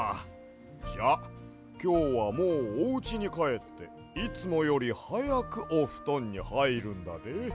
じゃあきょうはもうおうちにかえっていつもよりはやくおふとんにはいるんだで。